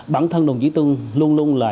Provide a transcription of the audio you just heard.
bản thân đồng chí tương luôn luôn là